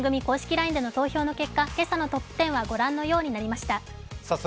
ＬＩＮＥでの投票の結果、トップ１０はご覧のようになりました。